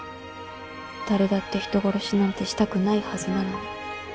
誰だって人殺しなんてしたくないはずなのに。